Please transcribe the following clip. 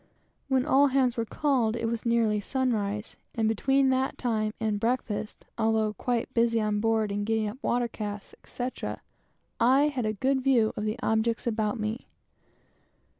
When all hands were called it was nearly sunrise, and between that time and breakfast, although quite busy on board in getting up water casks, etc., I had a good view of the objects about me.